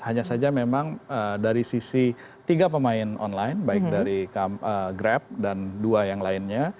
hanya saja memang dari sisi tiga pemain online baik dari grab dan dua yang lainnya